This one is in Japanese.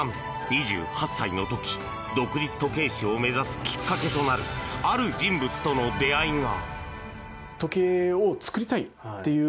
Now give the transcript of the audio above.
２８歳の時、独立時計師を目指すきっかけとなるある人物との出会いが。